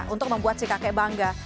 untuk membuat si kakek bangga